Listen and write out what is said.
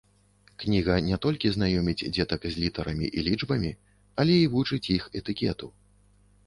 Кніга не толькі знаёміць дзетак з літарамі і лічбамі, але і вучыць іх этыкету.